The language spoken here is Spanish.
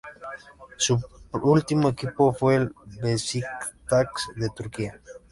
Su último equipo fue el Beşiktaş de Turquía.